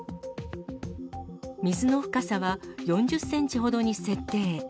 水の深さは４０センチほどに設定。